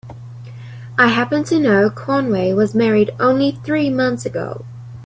I happen to know Conway was married only three months ago.